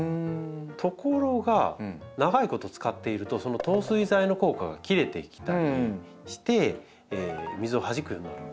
ところが長いこと使っているとその透水剤の効果が切れてきたりして水をはじくようになるんですよ。